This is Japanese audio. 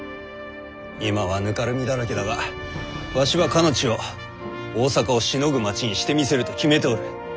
今はぬかるみだらけだがわしはかの地を大坂をしのぐ街にしてみせると決めておる。